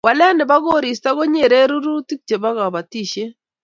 walee ni bo koristo ko nyeren rurutik che bo kabotisie.